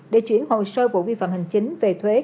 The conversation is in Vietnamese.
để chuyển hồ sơ vụ vi phạm hành chính về thuế